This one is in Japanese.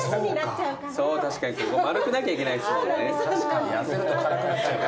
確かにまるくなきゃいけないですもんね。